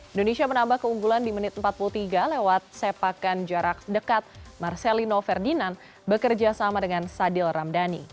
indonesia menambah keunggulan di menit empat puluh tiga lewat sepakan jarak dekat marcelino ferdinand bekerja sama dengan sadil ramdhani